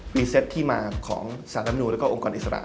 พรีเซตที่มาของศาลน้ำหนูและองค์กรอิสระ